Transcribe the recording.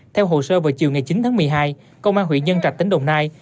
theo hồ sơ vào chiều ngày chín tháng một mươi hai công an huyện nhân trạch tỉnh đồng nai